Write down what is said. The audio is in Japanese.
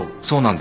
そう。